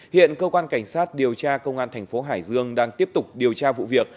hiện cơ quan cảnh sát điều tra công an tp hải dương đang tiếp tục điều tra vụ việc